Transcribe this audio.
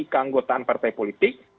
keanggotaan partai politik